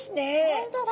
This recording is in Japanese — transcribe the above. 本当だ。